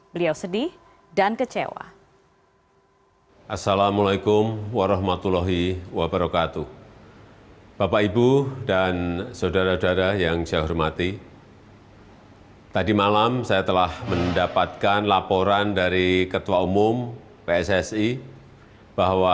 beliau sedih dan kecewa